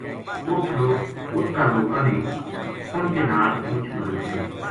اُت کا لوکاں نے انھ کے نال مُچ مدد کری